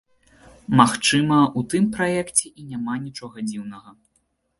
Магчыма, у тым праекце і няма нічога дзіўнага.